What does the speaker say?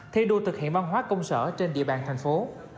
thi đua thực hiện văn hóa công sở trên địa bàn thành phố